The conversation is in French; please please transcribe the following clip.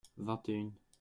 Vingt et une.